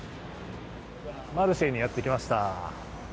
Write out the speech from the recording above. マルシェにやってきました。